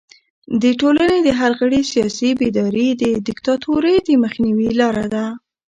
د ټولنې د هر غړي سیاسي بیداري د دیکتاتورۍ د مخنیوي لاره ده.